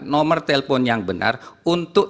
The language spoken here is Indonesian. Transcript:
nomor telepon yang benar untuk